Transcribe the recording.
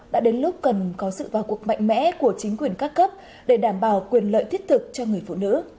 đã đến lúc cần có sự vào cuộc mạnh mẽ của chính quyền các cấp để đảm bảo quyền lợi thiết thực cho người phụ nữ